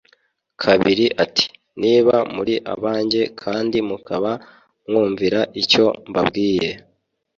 kabiri ati niba muri abanjye kandi mukaba mwumvira icyo mbabwiye